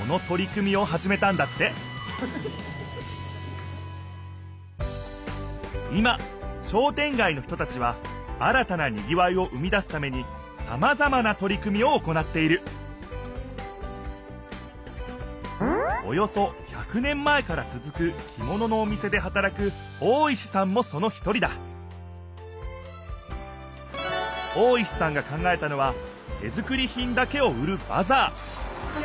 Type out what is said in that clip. このとり組みをはじめたんだって今商店街の人たちは新たなにぎわいを生み出すためにさまざまなとり組みを行っているおよそ１００年前からつづくきもののお店ではたらく大石さんもその一人だ大石さんが考えたのは手作り品だけを売るバザー。